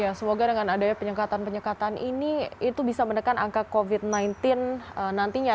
ya semoga dengan adanya penyekatan penyekatan ini itu bisa menekan angka covid sembilan belas nantinya